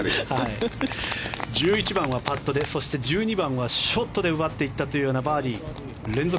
１１番はパットで１２番はショットで奪っていったというバーディー。